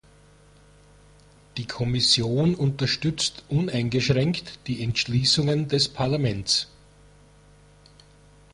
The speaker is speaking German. Die Kommission unterstützt uneingeschränkt die Entschließungen des Parlaments.